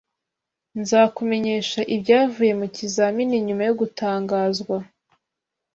Nzakumenyesha ibyavuye mu kizamini nyuma yo gutangazwa.